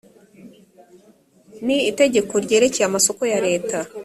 ni itegeko ryerekeye amasoko ya leta